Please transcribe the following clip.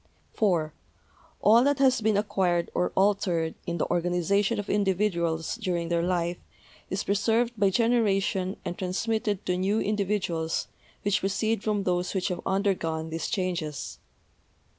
(4) All that has been acquired or altered in the or ganization of individuals during their life is preserved by generation and transmitted to new individuals which proceed from those which have undergone these changes.